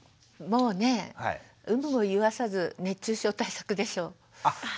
もうね有無を言わさず熱中症対策でしょう。